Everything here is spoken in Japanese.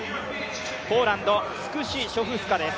ポーランド、スクシショフスカです。